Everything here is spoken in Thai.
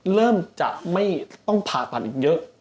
เริ่มจะไม่ต้องผ่าตัดอีกเยอะ